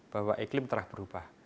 bahwa iklim telah berubah